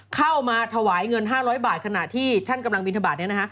เข้ามาถวายเงิน๕๐๐บาทขณะที่ท่านกำลังบินทบาท